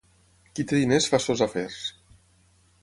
Qui té diners fa sos afers.